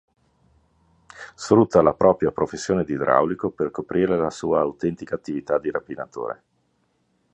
Sfrutta la propria professione di idraulico per coprire la sua autentica attività di rapinatore.